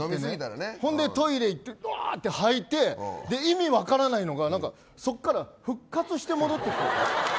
ほんで、トイレに行ってワー！って吐いて意味分からないのがそこから復活して戻ってくる。